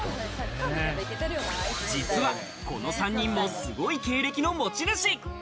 実は、この３人もすごい経歴の持ち主。